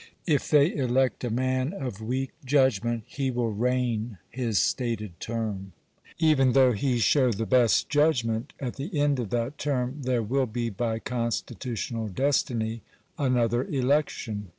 If they elect a man of weak judgment, he will reign his stated term; even though he show the best judgment, at the end of that term there will be by constitutional destiny another election.